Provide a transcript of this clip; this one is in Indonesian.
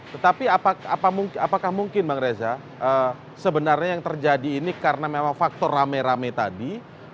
tetapi apakah mungkin bang reza sebenarnya yang terjadi ini karena memang faktor rame rame tadi